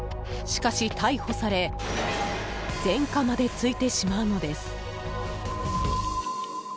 しかし逮捕され前科までついてしまうのです。